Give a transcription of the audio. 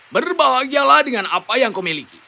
berbahagialah dengan apa yang kau miliki